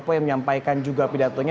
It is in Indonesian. saya juga menyampaikan juga pidatonya